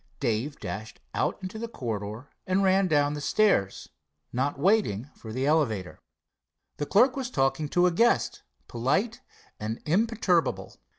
Dave dashed out into the corridor and ran down the stairs, not waiting for the elevator. The clerk was talking to a guest, polite and imperturbable.